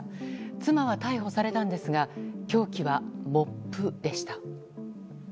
妻は逮捕されたんですが凶器はモップでした。